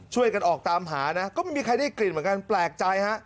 ช่วยกันออกตามหานะก็ไม่มีใครได้กลิ่นเหมือนกันแปลกใจฮะ